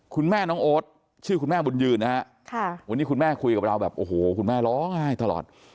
คุณแม่น้องโอ๊ตชื่อคุณแม่บุญยืนนะฮะวันนี้คุณแม่คุยกับเราแบบโอ้โหคุณแม่ร้องไห้ตลอด